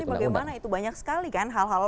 tapi nanti bagaimana itu banyak sekali kan hal hal